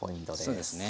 そうですね。